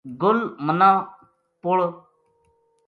گل منا پُل